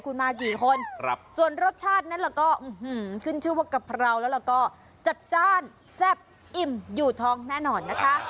คุณมากี่คนส่วนรสชาตินั้นเราก็ขึ้นชื่อว่ากะเพราแล้วก็จัดจ้านแซ่บอิ่มอยู่ทองแน่นอนนะคะ